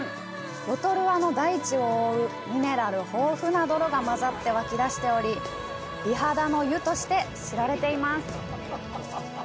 ロトルアの大地を覆うミネラル豊富な泥が混ざって湧き出しており、美肌の湯として知られています。